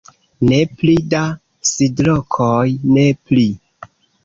"Ne pli da sidlokoj, ne pli!"